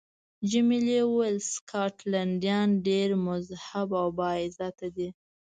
جميلې وويل: سکاټلنډیان ډېر مهذب او با عزته دي.